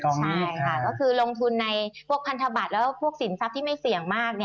ใช่ค่ะก็คือลงทุนในพวกพันธบัตรแล้วพวกสินทรัพย์ที่ไม่เสี่ยงมาก